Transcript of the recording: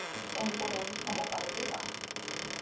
სომხური ენის ჩამოყალიბება.